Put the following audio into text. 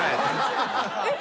えっ？